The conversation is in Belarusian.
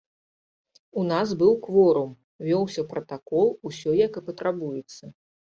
У нас быў кворум, вёўся пратакол, усё як і патрабуецца.